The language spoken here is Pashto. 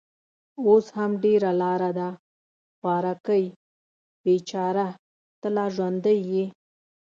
اوس هم ډېره لار ده. خوارکۍ، بېچاره، ته لا ژوندۍ يې؟